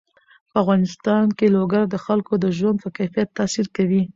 په افغانستان کې لوگر د خلکو د ژوند په کیفیت تاثیر کوي.